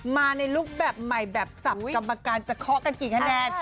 มาในลุคแบบใหม่แบบสับกรรมการจะเคาะกันกี่คะแนน